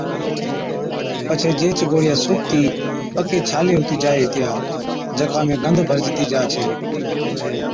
پڇي جيهچ گوڙهِيا سُوڪتي پڪي ڇالي هُتِي جائي هِتِيا ، جڪا ۾ گند ڀرجتِي جا ڇَي